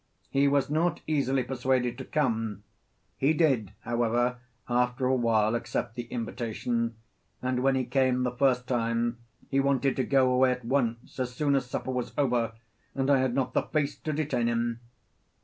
He was not easily persuaded to come; he did, however, after a while accept the invitation, and when he came the first time, he wanted to go away at once as soon as supper was over, and I had not the face to detain him.